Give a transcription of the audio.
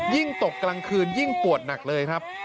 ยิ่งตกกลางคืนยิ่งปวดหนักเลยครับ